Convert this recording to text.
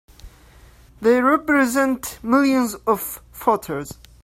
They represent millions of voters!